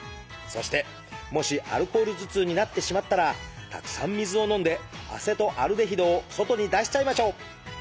そしてもしアルコール頭痛になってしまったらたくさん水を飲んでアセトアルデヒドを外に出しちゃいましょう！